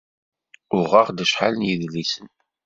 Uɣeɣ-d acḥal n yidlisen.